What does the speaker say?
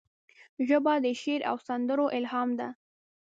ژبه د شعر او سندرو الهام ده